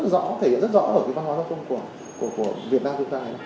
ở cái văn hóa giao thông của việt nam hiện nay